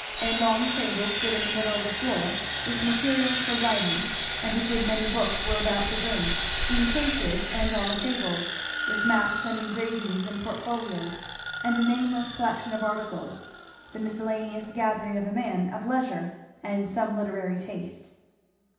A long table stood in the middle of the floor, with materials for writing, and a good many books were about the room, in cases and on the tables, with maps and engravings and portfolios, and a nameless collection of articles, the miscellaneous gathering of a man of leisure and some literary taste.